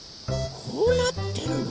こうなってるの？